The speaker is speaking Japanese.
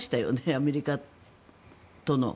アメリカとの。